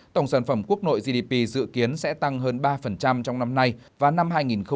tổng sản phẩm quốc nội gdp dự kiến sẽ tăng hơn ba trong năm nay và năm hai nghìn hai mươi